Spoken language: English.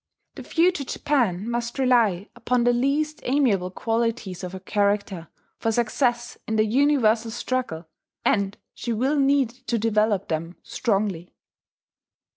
The future Japan must rely upon the least amiable qualities of her character for success in the universal struggle; and she will need to develop them strongly.